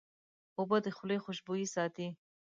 اوبه د خولې خوشبویي ساتي.